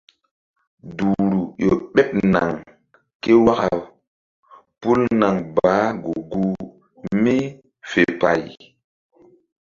Duhru ƴo ɓeɓ naŋ ké waka pul naŋ baah gu-guh mí fe pay.